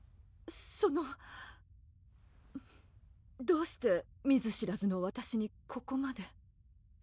そのどうして見ず知らずのわたしにここまで？